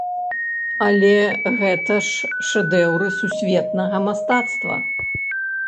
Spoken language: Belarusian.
Але гэта ж шэдэўры сусветнага мастацтва!